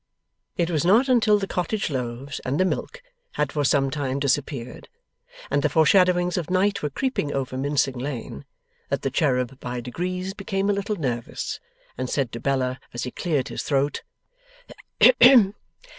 It was not until the cottage loaves and the milk had for some time disappeared, and the foreshadowings of night were creeping over Mincing Lane, that the cherub by degrees became a little nervous, and said to Bella, as he cleared his throat: 'Hem!